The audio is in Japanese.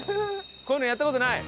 こういうのやった事ない？